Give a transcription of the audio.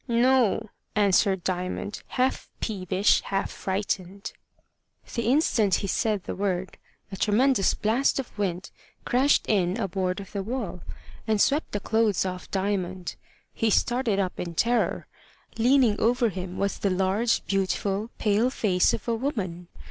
"No!" answered Diamond, half peevish, half frightened. The instant he said the word, a tremendous blast of wind crashed in a board of the wall, and swept the clothes off Diamond. He started up in terror. Leaning over him was the large, beautiful, pale face of a woman.